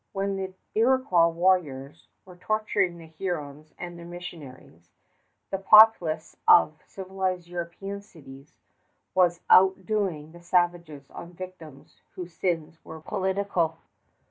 When the Iroquois warriors were torturing the Hurons and their missionaries, the populace of civilized European cities was outdoing the savages on victims whose sins were political.